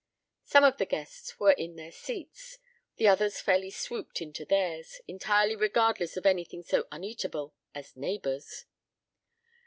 Some of the guests were in their seats. The others fairly swooped into theirs, entirely regardless of anything so uneatable as neighbors.